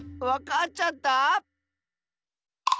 わかっちゃった？